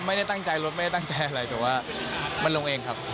ไม่ได้ตั้งใจรถไม่ได้ตั้งใจอะไรแต่ว่ามันลงเองครับ